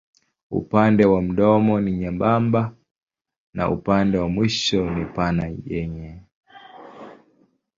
Upande wa mdomo ni nyembamba na upande wa mwisho ni pana yenye.